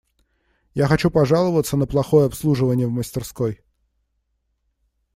Я хочу пожаловаться на плохое обслуживание в мастерской.